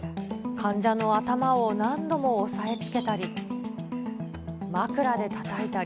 患者の頭を何度も押さえつけたり、枕でたたいたり。